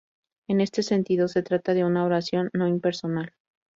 En este sentido, se trata de una oración no-impersonal.